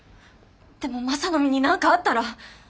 でもマサの身に何かあったら。